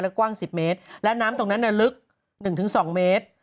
กว้าง๑๐เมตรและน้ำตรงนั้นลึก๑๒เมตร